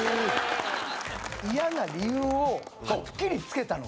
嫌な理由をはっきり付けたのは。